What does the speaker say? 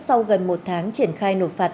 sau gần một tháng triển khai nộp phạt